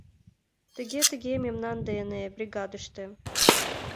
— Тыге-тыге, мемнан дене, бригадыште!